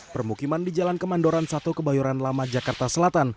permukiman di jalan kemandoran satu kebayoran lama jakarta selatan